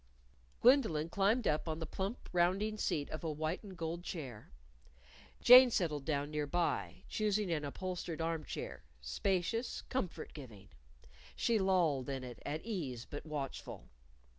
Gwendolyn climbed upon the plump rounding seat of a white and gold chair. Jane settled down nearby, choosing an upholstered arm chair spacious, comfort giving. She lolled in it, at ease but watchful.